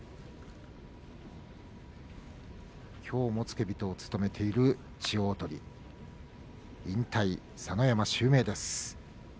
きょうも付け人を務めている千代鳳、引退して佐ノ山襲名です。